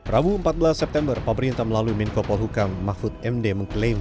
rabu empat belas september pemerintah melalui menko polhukam mahfud md mengklaim